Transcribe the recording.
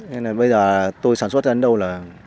nên là bây giờ tôi sản xuất đến đâu là